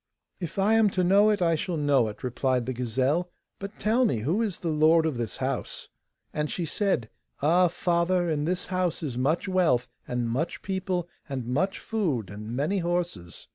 'If I am to know it, I shall know it,' replied the gazelle; 'but tell me, who is the lord of this house?' And she said: 'Ah, father! in this house is much wealth, and much people, and much food, and many horses.